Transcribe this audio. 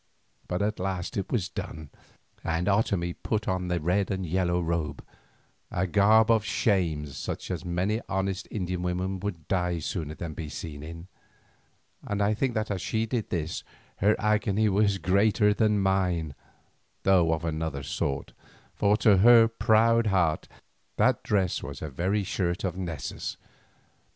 At last it was done, and Otomie must put on the red and yellow robe, a garb of shame such as many honest Indian women would die sooner than be seen in, and I think that as she did this, her agony was greater than mine, though of another sort, for to her proud heart, that dress was a very shirt of Nessus.